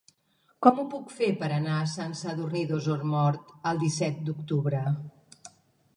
Com ho puc fer per anar a Sant Sadurní d'Osormort el disset d'octubre?